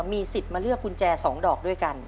มีสิทธิ์มาเลือกกุญแจ๒ดอกด้วยกัน